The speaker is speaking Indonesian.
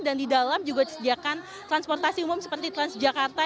dan di dalam juga disediakan transportasi umum seperti transjakarta